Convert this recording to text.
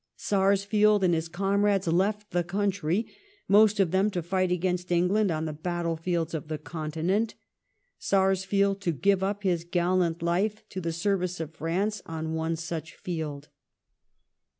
Sarsfield and his comrades left the country, most of them to fight against England on the battle fields of the Continent— Sarsfield to give up his gallant life to the service of France on one such field.